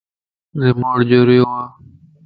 ريموٽ جريوَ